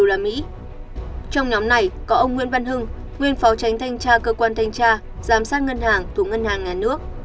trong nhóm này có ông nguyễn văn hưng nguyên phó tránh thanh tra cơ quan thanh tra giám sát ngân hàng thuộc ngân hàng nhà nước